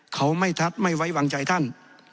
เขาไม่ทัดไม่ไว้วางใจท่าน